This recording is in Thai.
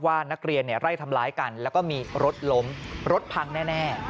ว่านักเรียนไล่ทำร้ายกันแล้วก็มีรถล้มรถพังแน่